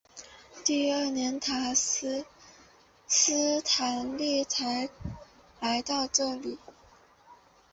第二年斯坦利才来到这里。